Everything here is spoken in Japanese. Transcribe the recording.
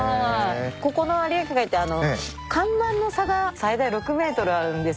ここの有明海って干満の差が最大６ｍあるんですよ。